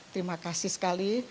terima kasih sekali